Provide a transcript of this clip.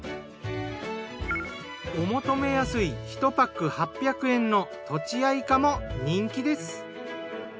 お求めやすい１パック８００円のとちあいかも人気です。